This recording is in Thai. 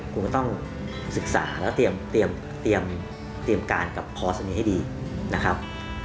คุณก็ต้องศึกษาแล้วเตรียมการกับคอร์สนี้ให้ดีนะครับ